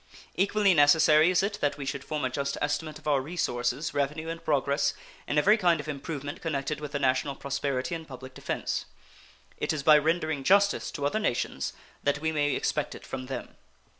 Equally necessary is it that we should form a just estimate of our resources, revenue, and progress in every kind of improvement connected with the national prosperity and public defense. It is by rendering justice to other nations that we may expect it from them.